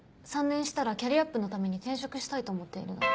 ３年したらキャリアアップのために転職したいと思っているので。